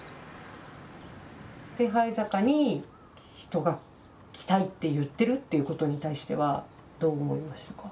手這坂に人が来たいって言ってるっていうことに対してはどう思いましたか？